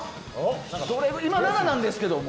今、７なんですけども。